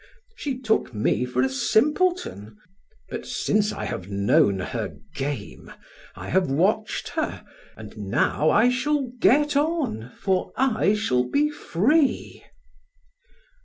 She took me for a simpleton, but since I have known her game, I have watched her, and now I shall get on, for I shall be free."